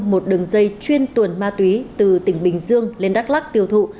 một đường dây chuyên tuần ma túy từ tỉnh bình dương lên đắk lắc tiêu thụ